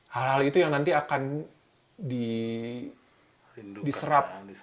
hal hal itu yang nanti akan diserap